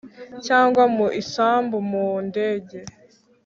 Cyangwa mu isambu mu ndege